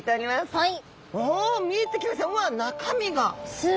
はい！